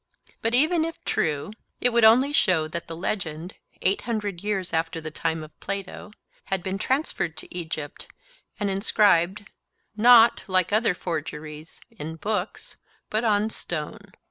but even if true, it would only show that the legend, 800 years after the time of Plato, had been transferred to Egypt, and inscribed, not, like other forgeries, in books, but on stone.